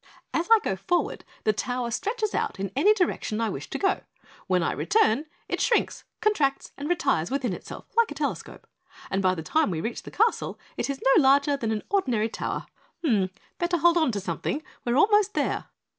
"As I go forward, the tower stretches out in any direction I wish to go; when I return, it shrinks, contracts, and retires within itself like a telescope, and by the time we reach the castle it is no larger than an ordinary tower. Mm better hold on to something, we're almost there!"